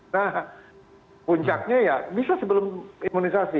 nah puncaknya ya bisa sebelum imunisasi